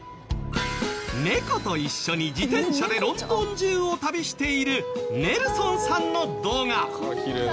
猫と一緒に自転車でロンドン中を旅しているネルソンさんの動画。